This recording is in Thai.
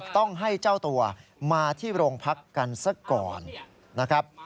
ต้องให้เจ้าตัวมาที่โรงพักกันซะก่อนนะครับ